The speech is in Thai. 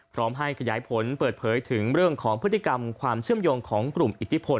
พร้อมให้ขยายผลเปิดเผยถึงเรื่องของพฤติกรรมความเชื่อมโยงของกลุ่มอิทธิพล